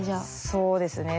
そうですね。